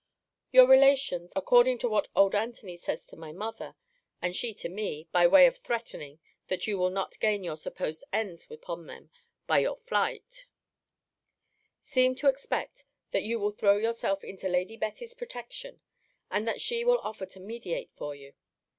Your relations, according to what old Antony says to my mother, and she to me, (by way of threatening, that you will not gain your supposed ends upon them by your flight,) seem to expect that you will throw yourself into Lady Betty's protection; and that she will offer to mediate for you.